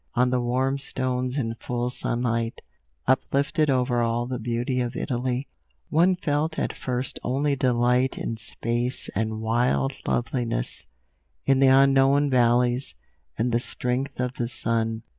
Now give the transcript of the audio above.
On the warm stones, in full sunlight, uplifted over all the beauty of Italy, one felt at first only delight in space and wild loveliness, in the unknown valleys, and the strength of the sun.